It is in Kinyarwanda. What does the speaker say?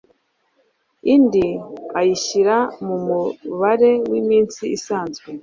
indi ayishyira mu mubare w'iminsi isanzwe